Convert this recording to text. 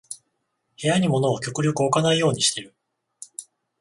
部屋に物を極力置かないようにしてる